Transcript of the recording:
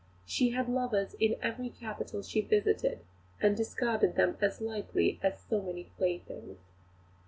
She had lovers in every capital she visited, and discarded them as lightly as so many playthings.